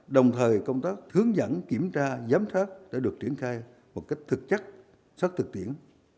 đồng thời công tác hướng dẫn kiểm tra giám sát đã được triển khai một cách thực chất sát thực tiễn